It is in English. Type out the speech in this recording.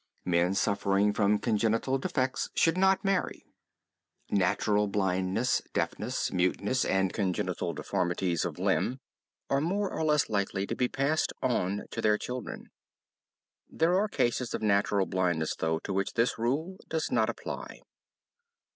Men suffering from congenital defects should not marry. Natural blindness, deafness, muteness, and congenital deformities of limb are more or less likely to be passed on to their children. There are cases of natural blindness, though, to which this rule does not apply.